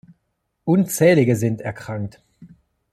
Unzählige sind erkrankt.